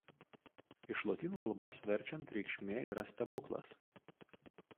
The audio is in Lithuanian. Iš lotynų kalbos verčiant reikšmė yra „stebuklas“.